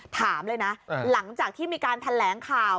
ถามเลยนะหลังจากที่มีการแถลงข่าว